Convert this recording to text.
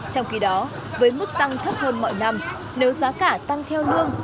trong khi đó với mức tăng thấp hơn mọi năm nếu giá cả tăng theo lương